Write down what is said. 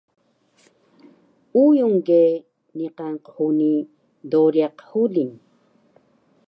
uyung ge niqan qhuni doriq huling